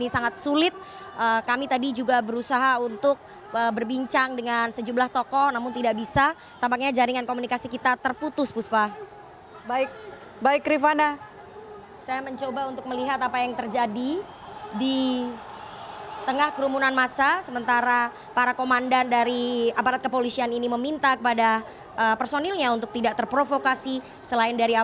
yang anda dengar saat ini sepertinya adalah ajakan untuk berjuang bersama kita untuk keadilan dan kebenaran saudara saudara